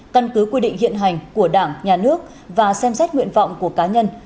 căn cứ quy định hiện hành của đảng nhà nước và xem xét nguyện vọng của cá nhân